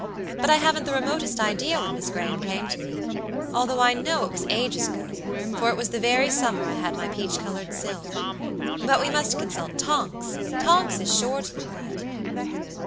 But I haven't the remotest idea when Miss Graham came to me, although I know it was ages ago, for it was the very summer I had my peach colored silk. But we must consult TonksTonks is sure to be right."